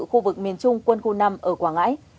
khu vực miền trung quân khu năm ở quảng ngãi